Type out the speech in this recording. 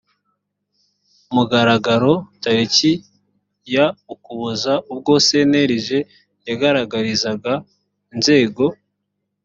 mugaragaro tariki ya ukuboza ubwo cnlg yagaragarizaga inzego